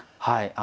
はい。